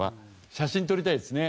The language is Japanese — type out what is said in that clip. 写真撮りたいですね。